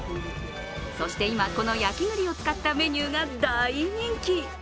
そして今、この焼き栗を使ったメニューが大人気。